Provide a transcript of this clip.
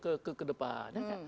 jauh ke depannya